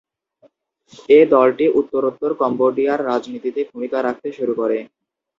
এ দলটি উত্তরোত্তর কম্বোডিয়ার রাজনীতিতে ভূমিকা রাখতে শুরু করে।